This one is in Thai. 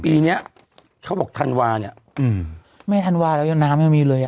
ปีเนี้ยเขาบอกธันวาเนี้ยอืมไม่ธันวาแล้วยังน้ำยังมีเลยอ่ะ